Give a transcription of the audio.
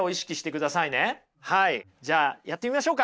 はいじゃあやってみましょうか。